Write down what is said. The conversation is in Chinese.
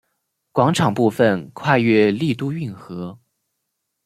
广场部分跨越丽都运河。